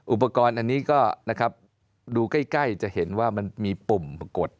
อุปกรณ์อันนี้ก็ดูใกล้จะเห็นว่ามันมีปุ่มกด